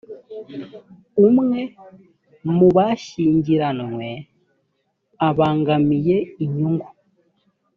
umwe mu bashyingiranywe abangamiye inyungu